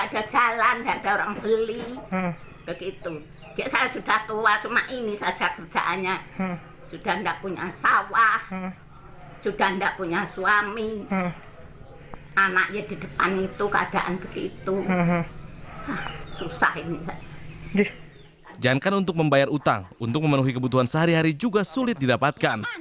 jangan kan untuk membayar utang untuk memenuhi kebutuhan sehari hari juga sulit didapatkan